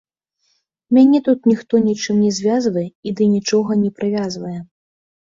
Мяне тут ніхто нічым не звязвае і да нічога не прывязвае.